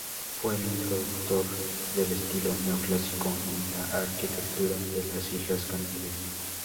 Fue el introductor del estilo neoclásico en la arquitectura de las Islas Canarias.